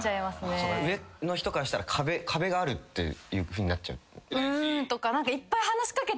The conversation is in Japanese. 上の人からしたら壁があるっていうふうになっちゃう？